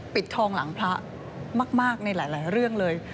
ปิดทองหลังพระมากในหลายเรื่องเลย